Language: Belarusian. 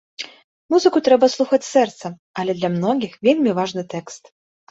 Музыку трэба слухаць сэрцам, але для многіх вельмі важны тэкст.